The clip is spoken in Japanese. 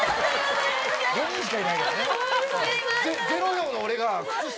５人しかいないからね。